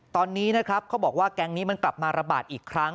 ตอนนี้นะครับเขาบอกว่าแก๊งนี้มันกลับมาระบาดอีกครั้ง